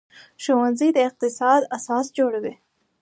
ښوونځی د اقتصاد اساس جوړوي